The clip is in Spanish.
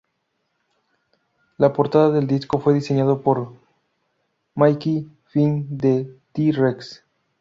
La portada del disco fue diseñado por Mickey Finn de T. Rex.